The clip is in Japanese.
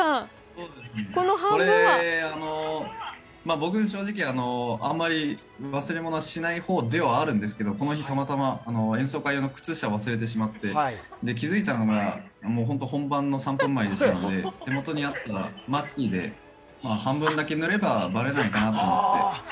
僕、正直あんまり忘れ物しない方ではあるんですけどこの日、たまたま演奏会用の靴下を忘れてしまって気付いたのが本番の３分前でしたので手元にあったマッキーで半分だけ塗ればバレないかなと。